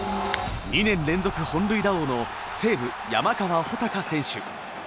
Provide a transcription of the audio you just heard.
２年連続本塁打王の西武山川穂高選手。